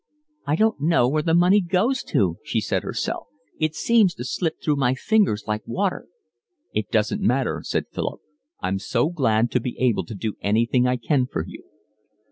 "I don't know where the money goes to," she said herself, "it seems to slip through my fingers like water." "It doesn't matter," said Philip. "I'm so glad to be able to do anything I can for you."